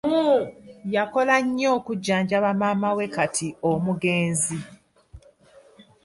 Yakola nnyo okujjanjaba maama we kati omugenzi.